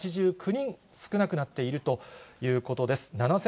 １０８９人少なくなっているということです。